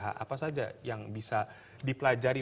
apa saja yang bisa dipelajari